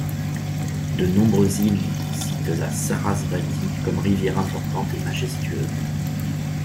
De nombreux hymnes citent la Sarasvati comme rivière importante et majestueuse.